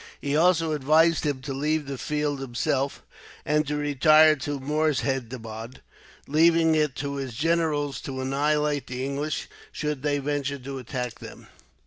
He also advised him to leave the field himself, and to retire to Moorshedabad, leaving it to his generals to annihilate the English, should they venture to attack them.